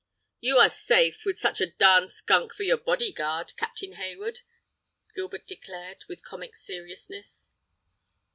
"You are safe, with such a 'darn skunk' for your body guard, Captain Hayward," Gilbert declared, with comic seriousness.